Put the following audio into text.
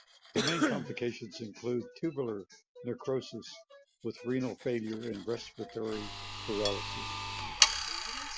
The main complications include tubular necrosis with renal failure and respiratory paralysis.